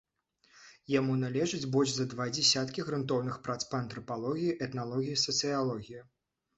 Яму належыць больш за два дзесяткі грунтоўных прац па антрапалогіі, этналогіі, сацыялогіі.